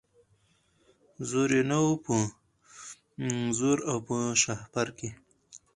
زور یې نه وو په وزر او په شهپر کي